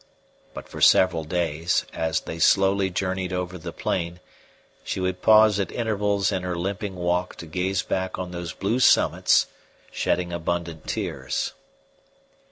But for several days, as they slowly journeyed over the plain, she would pause at intervals in her limping walk to gaze back on those blue summits, shedding abundant tears.